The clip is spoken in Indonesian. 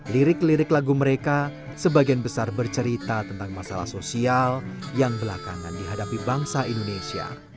lirik lirik lagu mereka sebagian besar bercerita tentang masalah sosial yang belakangan dihadapi bangsa indonesia